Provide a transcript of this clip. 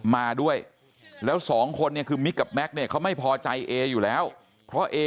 มาด้วยแล้วสองคนเนี่ยคือมิกกับแม็กซ์เนี่ยเขาไม่พอใจเออยู่แล้วเพราะเอ